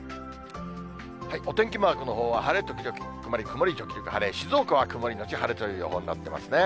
お天気マークのほうは晴れ時々曇り、曇り時々晴れ、静岡は曇り後晴れという予報になっていますね。